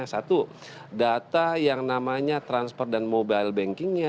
satu data yang namanya transfer dan mobile bankingnya